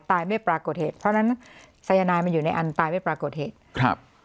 ไม่ปรากฏเหตุเพราะฉะนั้นสายนายมันอยู่ในอันตายไม่ปรากฏเหตุครับ